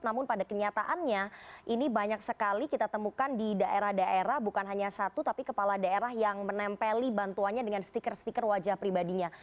namun pada kenyataannya ini banyak sekali kita temukan di daerah daerah bukan hanya satu tapi kepala daerah yang menempeli bantuannya dengan stiker stiker wajah pribadinya